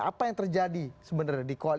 apa yang terjadi sebenarnya di koalisi